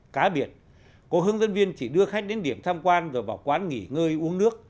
cá biệt có hướng dẫn viên chỉ đưa khách đến điểm tham quan rồi vào quán nghỉ ngơi uống nước